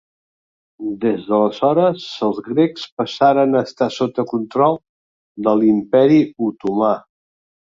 Des d'aleshores, els grecs passaren a estar sota control de l'Imperi otomà.